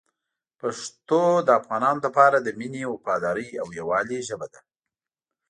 پښتو د افغانانو لپاره د مینې، وفادارۍ او یووالي ژبه ده.